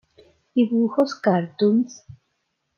Dibujos Cartoons".